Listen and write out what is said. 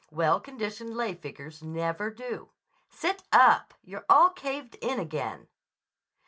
Well conditioned lay figures never do. Sit up! You're all caved in again."